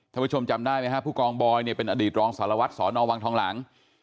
ผู้ชมจำได้ไหมฮะผู้กองบอยเนี่ยเป็นอดีตรองสารวัตรสอนอวังทองหลัง